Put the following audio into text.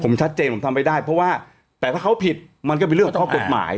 ผมชัดเจนผมทำไปได้เพราะว่าแต่ถ้าเขาผิดมันก็เป็นเรื่องของข้อกฎหมาย